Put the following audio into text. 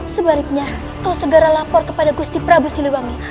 sebaliknya kau segera lapor kepada gusti prabu siliwangi